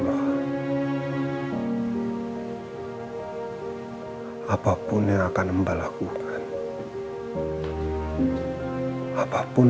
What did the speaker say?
tapi ga sekarang